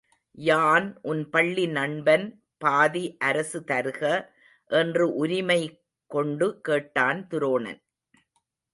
யான் உன் பள்ளி நண்பன் பாதி அரசு தருக என்று உரிமை கொண்டு கேட்டான் துரோணன்.